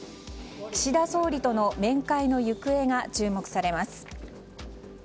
岸田総理との面会の行方が注目されます。